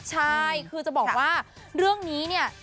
ใช่คือจะบอกว่าเรื่องนี้เนี่ย